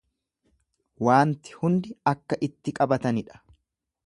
Waanti hundi akka itti qabatanidha.